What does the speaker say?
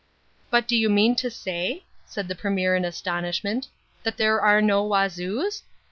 "But do you mean to say," said the Premier in astonishment, "that there are no Wazoos?